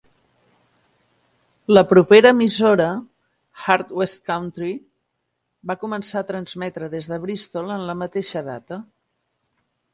La propera emissora, "Heart West Country", va començar a transmetre des de Bristol en la mateixa data.